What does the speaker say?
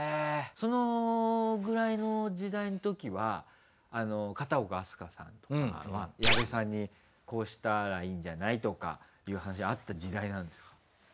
そのくらいの時代のときは片岡飛鳥さんとかは矢部さんにこうしたらいいんじゃない？とかいう話あった時代なんですか？